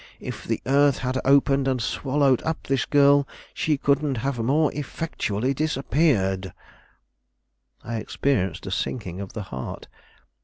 If the earth had opened and swallowed up this girl, she couldn't have more effectually disappeared." I experienced a sinking of the heart.